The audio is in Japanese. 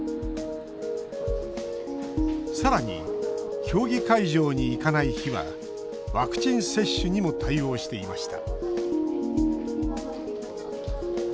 さらに、競技会場に行かない日はワクチン接種にも対応していました